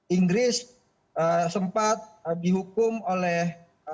inggris sempat dihukum oleh